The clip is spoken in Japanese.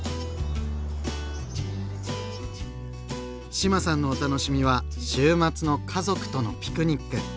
志麻さんのお楽しみは週末の家族とのピクニック。